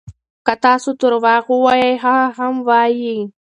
که تاسو درواغ ووایئ هغه هم وایي.